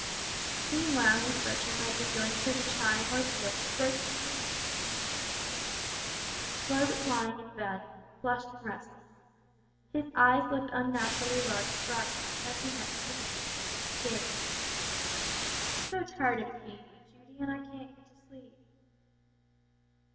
Meanwhile Miss Bertram had been going through the trying ordeal of breaking the news to the little invalid. Roy was lying in bed, flushed and restless. His eyes looked unnaturally large and bright, as he met his aunt's anxious gaze. "I'm so tired of pain, Aunt Judy, and I can't get to sleep."